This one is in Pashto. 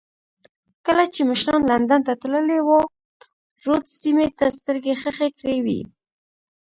کله چې مشران لندن ته تللي وو رودز سیمې ته سترګې خښې کړې وې.